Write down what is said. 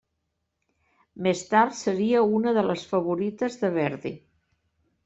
Més tard seria una de les favorites de Verdi.